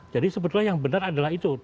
jadi sebetulnya yang benar adalah itu